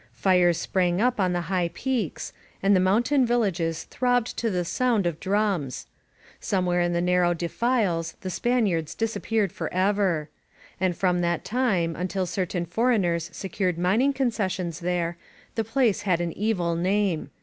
Fires sprang up on the high peaks, and the mountain villages throbbed to the sound of drums. Somewhere in the narrow defiles the Span iards disappeared forever. And from that time, until certain foreigners secured mining concessions there, the place had an evil name.